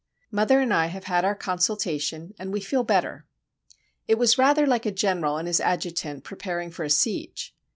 Mother and I have had our consultation, and we feel better. It was rather like a general and his adjutant preparing for a siege.